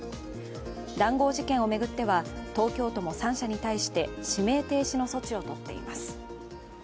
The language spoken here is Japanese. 談合事件を巡っては東京都も３社に対して指名停止の措置を取っています。